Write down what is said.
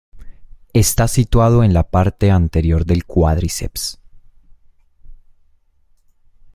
Está situado en la parte anterior del cuádriceps.